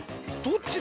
どっち？